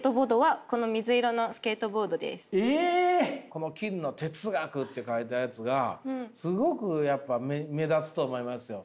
この金の「哲学」って書いたやつがすごくやっぱ目立つと思いますよ。